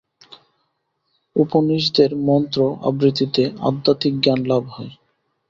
উপনিষদের মন্ত্র-আবৃত্তিতে আধ্যাত্মিক জ্ঞানলাভ হয়।